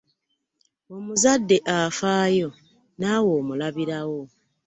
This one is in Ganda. Omuzadde afaayo naawe omulabirawo.